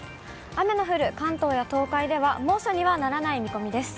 雨の降る関東や東海では、猛暑にはならない見込みです。